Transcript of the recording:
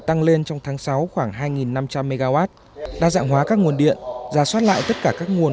tăng lên trong tháng sáu khoảng hai năm trăm linh mw đa dạng hóa các nguồn điện giả soát lại tất cả các nguồn